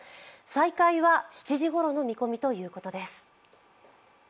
再開は７時ごろの見込みということです。